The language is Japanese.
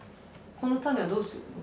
この種はどうするの？